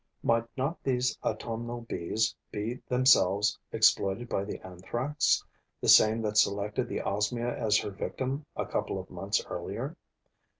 Might not these autumnal Bees be themselves exploited by the Anthrax, the same that selected the Osmia as her victim a couple of months earlier?